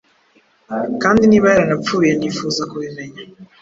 kandi niba yaranapfuye nifuza kubimenya